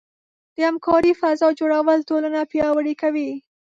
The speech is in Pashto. د همکارۍ فضاء جوړول ټولنه پیاوړې کوي.